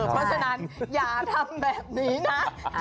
เพราะฉะนั้นอย่าทำแบบนี้นะ